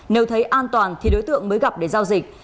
nếu thấy an toàn thì đối tượng mới gặp để giao dịch